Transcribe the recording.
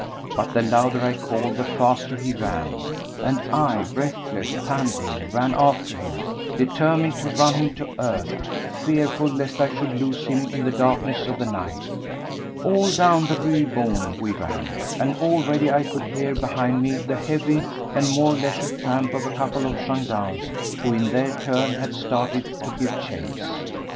But the louder I called the faster he ran, and I, breathless, panting, ran after him, determined to run him to earth, fearful lest I should lose him in the darkness of the night. All down the Rue Beaune we ran, and already I could hear behind me the heavy and more leisured tramp of a couple of gendarmes who in their turn had started to give chase.